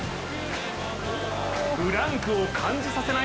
ブランクを感じさせない